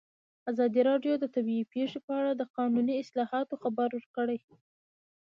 ازادي راډیو د طبیعي پېښې په اړه د قانوني اصلاحاتو خبر ورکړی.